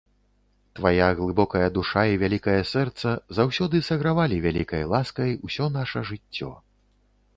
Твая глыбокая душа і вялікае сэрца заўсёды сагравалі вялікай ласкай усё наша жыццё.